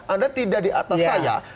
anda tidak di atas saya